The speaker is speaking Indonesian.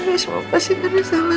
ini semua pasti terlalu salah